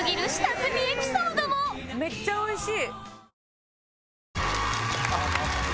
めっちゃ美味しい。